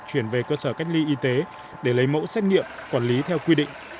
chuyển về cơ sở cách ly y tế để lấy mẫu xét nghiệm quản lý theo quy định